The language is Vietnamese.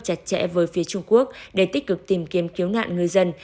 chặt chẽ với phía trung quốc để tích cực tìm kiếm cứu nạn ngư dân